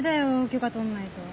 許可取んないと。